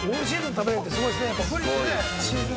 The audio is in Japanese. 食べられるってすごいですね。